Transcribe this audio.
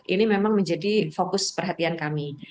ini memang menjadi fokus perhatian kami